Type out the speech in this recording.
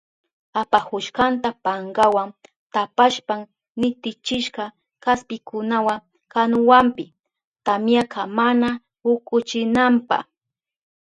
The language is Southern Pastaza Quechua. Apahushkanta pankawa tapashpan nitichishka kaspikunawa kanuwanpi, tamyaka mana ukuchinanpa.